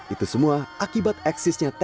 itu semua akibat eksisnya